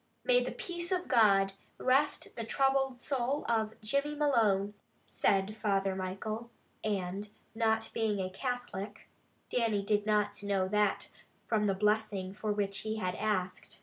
"May the peace of God rest the troubled soul of Jimmy Malone," said Father Michael, and not being a Catholic, Dannie did not know that from the blessing for which he asked.